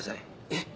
えっ？